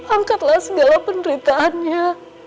angkatlah segala penderitaannya